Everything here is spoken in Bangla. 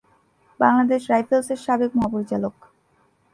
বাংলাদেশ রাইফেলসের সাবেক মহাপরিচালক।